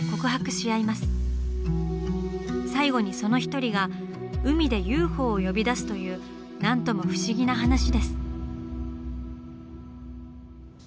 最後にその１人が海でＵＦＯを呼び出すという何とも不思議な話です。